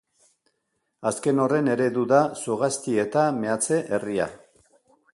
Azken horren eredu da Zugaztieta meatze-herria.